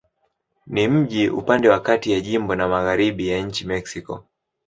Ni mji upande wa kati ya jimbo na magharibi ya nchi Mexiko.